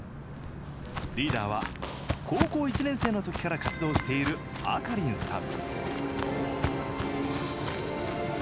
リーダーは高校１年生の時から活動しているａｋａｒｉｎさん。